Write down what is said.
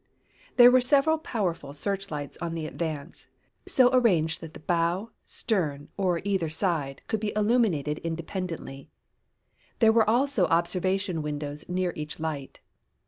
There were several powerful searchlights on the Advance, so arranged that the bow, stern or either side could be illuminated independently. There were also observation windows near each light.